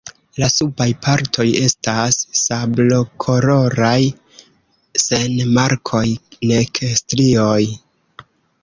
La subaj partoj estas sablokoloraj sen markoj nek strioj.